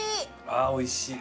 あぁおいしい。